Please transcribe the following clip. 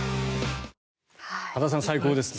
羽田さん最高ですね。